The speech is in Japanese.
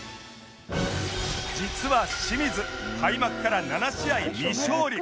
実は清水開幕から７試合未勝利